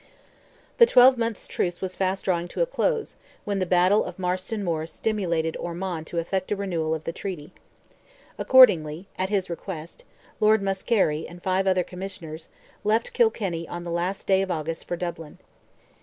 The twelve months' truce was fast drawing to a close, when the battle of Marston Moor stimulated Ormond to effect a renewal of the treaty. Accordingly, at his request, Lord Muskerry, and five other commissioners, left Kilkenny on the last day of August for Dublin.